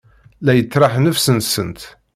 La yettraḥ nnefs-nsent.